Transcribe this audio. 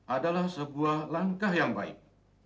adalah sebuah langkah yang baik